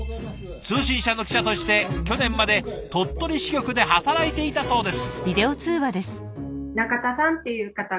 通信社の記者として去年まで鳥取支局で働いていたそうです。